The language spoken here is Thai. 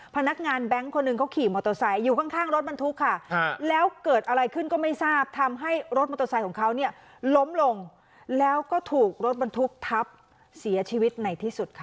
พนักงานแบงค์คนหนึ่งเขาขี่มอเตอร์ไซค์อยู่ข้างรถบรรทุกค่ะแล้วเกิดอะไรขึ้นก็ไม่ทราบทำให้รถมอเตอร์ไซค์ของเขาเนี่ยล้มลงแล้วก็ถูกรถบรรทุกทับเสียชีวิตในที่สุดค่ะ